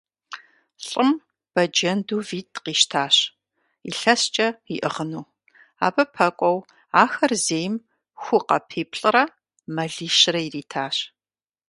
ЛӀым бэджэнду витӀ къищтащ, илъэскӀэ иӀыгъыну. Абы пэкӀуэу ахэр зейм ху къэпиплӀрэ мэлищрэ иритащ.